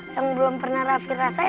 yang belum pernah raffi rasainya